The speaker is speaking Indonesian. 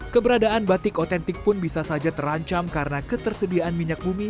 keberadaan batik otentik pun bisa saja terancam karena ketersediaan minyak bumi